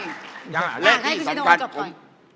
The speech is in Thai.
ยังอ่ะให้คุณที่โทษจบค่อย